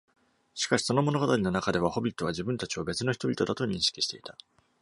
しかし、その物語の中では、ホビットは自分たちを別の人々だと認識していた。